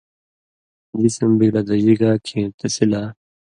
جسم بِگلہ دژی گا کھیں تسی لا